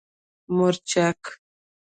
🌶 مورچک